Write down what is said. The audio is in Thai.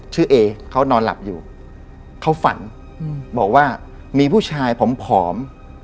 เอเขานอนหลับอยู่เขาฝันบอกว่ามีผู้ชายผอม